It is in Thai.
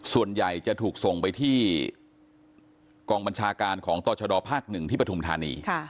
ส่วนใหญ่จะถูกส่งไปที่กองบัญชาการของต่อชดภาค๑ที่ปฐุมธานี